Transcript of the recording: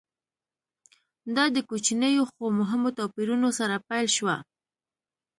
دا د کوچنیو خو مهمو توپیرونو سره پیل شوه